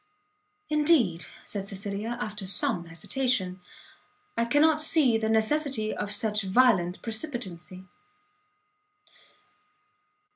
"Indeed," said Cecilia, after some hesitation, "I cannot see the necessity of such violent precipitancy."